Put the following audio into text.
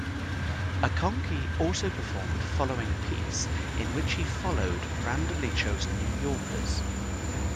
Acconci also performed "Following Piece", in which he followed randomly chosen New Yorkers.